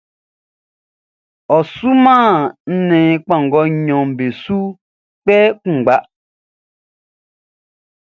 Ɔ suman nnɛn kpanngɔ nɲɔn be su kpɛ kunngba.